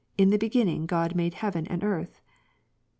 In the Beginning God made heaven and earth